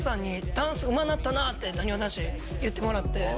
ダンスうまなったなってなにわ男子言ってもらって。